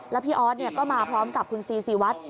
แล้วพี่ออสก็มาพร้อมกับคุณซีซีวัด